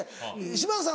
島津さん